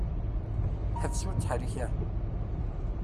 Ḥbes ur ttḥerrik ara!